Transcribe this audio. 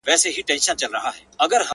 زه د جانان میني پخوا وژلې ومه.!